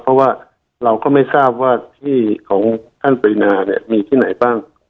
เพราะว่าเราก็ไม่ทราบว่าที่ของท่านปรินาเนี่ยมีที่ไหนบ้าง